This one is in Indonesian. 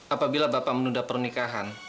apabila bapak menunda pernikahan